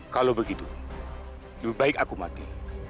kalau begitu lebih baik aku mati